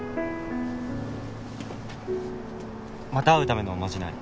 また会うためのおまじない